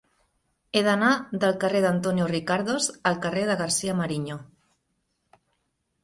He d'anar del carrer d'Antonio Ricardos al carrer de García-Mariño.